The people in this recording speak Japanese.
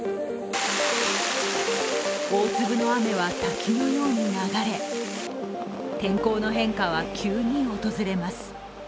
大粒の雨は滝のように流れ、天候の変化は急に訪れます。